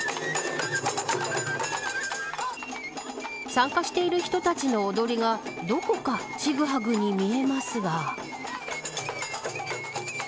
参加している人たちの踊りがどこか、ちぐはぐに見えますが。